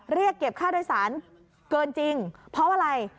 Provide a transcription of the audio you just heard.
เรียกเก็บค่าโดยสารเกินจริงเพราะอะไร